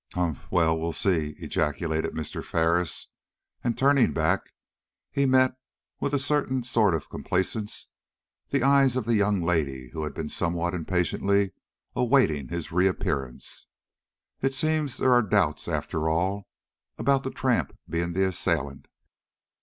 "Humph! well, we will see," ejaculated Mr. Ferris; and, turning back, he met, with a certain sort of complacence, the eyes of the young lady who had been somewhat impatiently awaiting his reappearance. "It seems there are doubts, after all, about the tramp being the assailant."